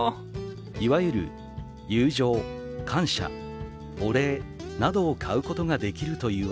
「いわゆる『友情』『感謝』『お礼』などを買うことができるというわけです」。